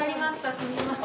すみません。